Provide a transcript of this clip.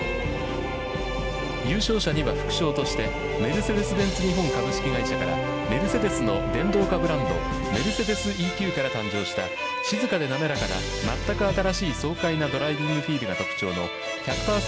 優勝者には副賞としてメルセデス・ベンツ日本株式会社からメルセデスの電動化ブランド「Ｍｅｒｃｅｄｅｓ−ＥＱ」から誕生した静かで滑らかな全く新しい爽快なドライビングフィールが特徴の１００％